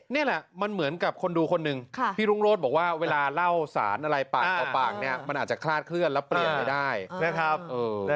นี่แหละมันเหมือนกับคนดูคนหนึ่งพี่รุ่งโรธบอกว่าเวลาเล่าสารอะไรปากต่อปากเนี่ยมันอาจจะคลาดเคลื่อนแล้วเปลี่ยนไปได้นะครับ